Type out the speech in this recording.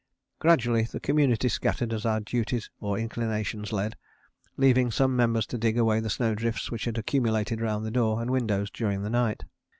Gradually the community scattered as duty or inclination led, leaving some members to dig away the snow drifts which had accumulated round the door and windows during the night.